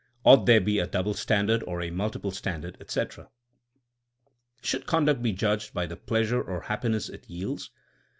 Ought there be a double standard or a multiple standard I etc. Should conduct he judged hy the pleasure or happiness it yields?